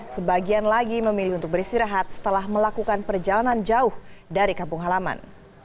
sebagian lagi memilih untuk beristirahat setelah melakukan perjalanan jauh dari kampung halaman